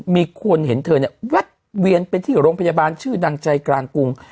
มีคนเห็นเธอเนี่ยแวะเวียนไปที่โรงพยาบาลชื่อดังใจกลางกรุง